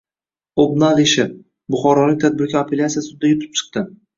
“Obnal ishi”: Buxorolik tadbirkor apellyatsiya sudida yutib chiqdi